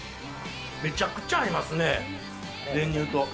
めちゃくちゃ合いますね、練乳と。